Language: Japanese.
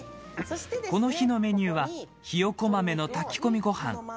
この日のメニューは、ひよこ豆の炊き込みごはん。